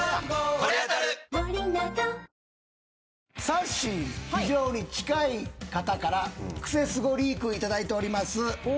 さっしーに非常に近い方からクセスゴリーク頂いております。